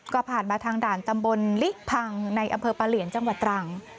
ก็ผ่านมาทางด่านตำบลลิพังในอำเภอปลาเหลียนจังหวัดตรัง